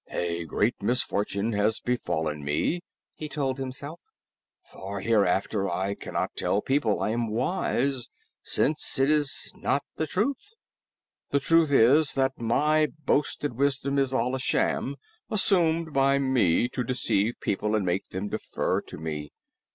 "A great misfortune has befallen me," he told himself, "for hereafter I cannot tell people I am wise, since it is not the truth. The truth is that my boasted wisdom is all a sham, assumed by me to deceive people and make them defer to me.